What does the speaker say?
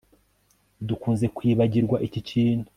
Dukunze kwibagirwa iki kintu